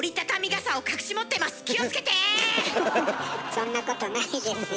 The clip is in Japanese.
そんなことないですよ。